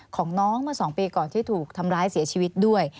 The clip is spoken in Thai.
ของน้องเมื่อ๒ปีก่อนที่ถูกทำร้ายเสียชีวิตด้วย